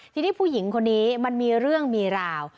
ทีนี้ผู้หญิงคนนี้มันมีเรื่องมีราว